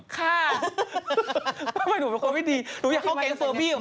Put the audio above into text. คุณนี่อะไรนะแองซี่